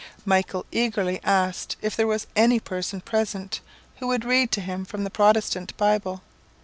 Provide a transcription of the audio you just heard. Michael eagerly asked if there was any person present who would read to him from the Protestant Bible.